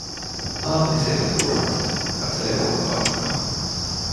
Aapeli seisahtuu rannalle, katselee uimapaikkaa.